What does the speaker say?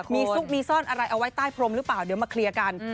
มีซุกมีซ่อนอะไรเอาไว้ใต้พรมหรือเปล่าเดี๋ยวมาเคลียร์กัน